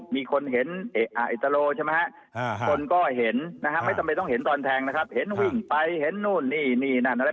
มีคนเห็นเอ๊ตรโรใช่ไหมคนก็เห็นนะไม่ต้องเห็นตอนแทงนะครับเห็นวิ่งไปหนูนี่นี่นั่นอะไร